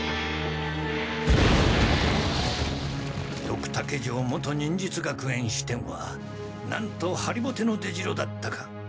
ドクタケ城元忍術学園支店はなんとはりぼての出城だったか。